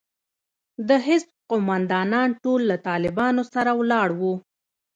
د حزب قومندانان ټول له طالبانو سره ولاړ وو.